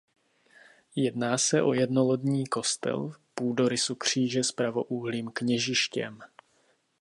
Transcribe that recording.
Jedná se o jednolodní kostel půdorysu kříže s pravoúhlým kněžištěm.